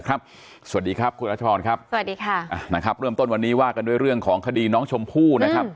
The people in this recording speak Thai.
สวัสดีครับคุณรัชพรครับสวัสดีค่ะนะครับเริ่มต้นวันนี้ว่ากันด้วยเรื่องของคดีน้องชมพู่นะครับ